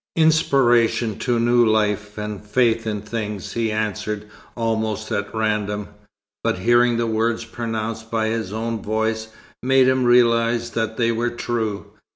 "Inspiration to new life and faith in things," he answered almost at random. But hearing the words pronounced by his own voice, made him realize that they were true.